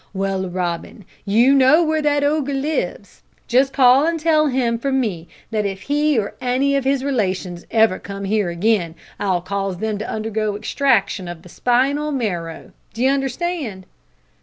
"Well, Robin, you know where that ogre lives. Just call and tell him from me that if he or any of his relations ever come here again I'll cause them to undergo extraction of the spinal marrow, d'you understand?"